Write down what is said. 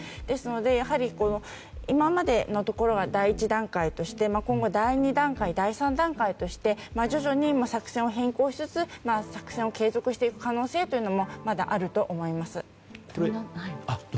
ですので、今までのところが第１段階として今後、第２段階、第３段階として徐々に作戦を変更しつつ作戦を継続していく可能性もまだあると思います。